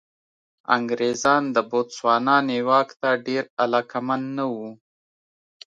انګرېزان د بوتسوانا نیواک ته ډېر علاقمند نه وو.